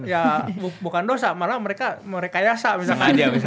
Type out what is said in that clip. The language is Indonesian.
ya bukan dosa malah mereka merekayasa misalkan